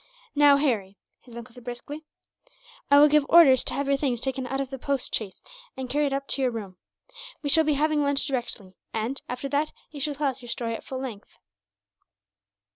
"Now, Harry," his uncle said briskly, "I will give orders to have your things taken out of the post chaise, and carried up to your room. We shall be having lunch directly and, after that, you shall tell us your story at full length."